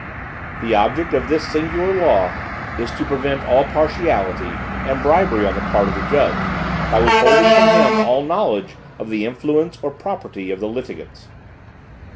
The object of this singular law is to prevent all partiality and bribery on the part of the judge, by withholding from him all knowledge of the influence or property of the litigants.